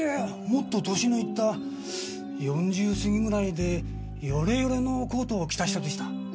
もっと歳のいった４０過ぎぐらいでヨレヨレのコートを着た人でした。